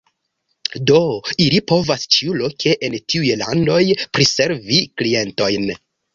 Do, ili povas ĉiuloke en tiuj landoj priservi klientojn.